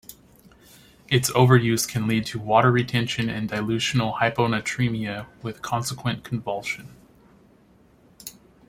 Its overuse can lead to water retention and dilutional hyponatremia with consequent convulsion.